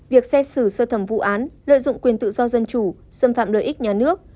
việc xét xử sơ thẩm vụ án lợi dụng quyền tự do dân chủ xâm phạm lợi ích nhà nước